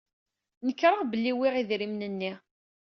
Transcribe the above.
Nekṛeɣ belli uwyeɣ idrimen-nni.